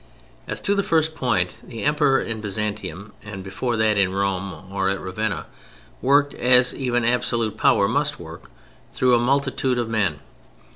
As to the first point, the Emperor in Byzantium, and before that in Rome or at Ravenna, worked, as even absolute power must work, through a multitude of men.